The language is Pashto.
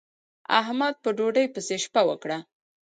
احمد په ډوډۍ پسې شپه وکړه.